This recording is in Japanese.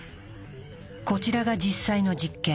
こちらが実際の実験。